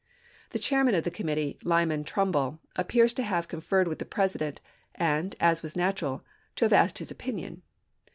The chair man of the committee, Lyman Trumbull, appears to have conferred with the President, and, as was natural, to have asked his opinion.